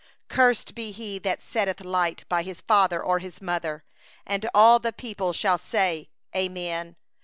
16Cursed be he that dishonoureth his father or his mother. And all the people shall say: Amen.